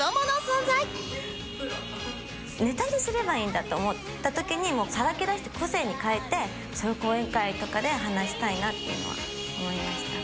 ネタにすればいいんだと思った時にさらけ出して個性に変えてそれを講演会とかで話したいなっていうのは思いました。